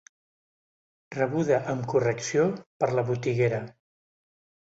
Rebuda amb correcció per la botiguera.